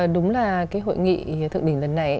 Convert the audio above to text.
đúng là hội nghị thượng đỉnh lần này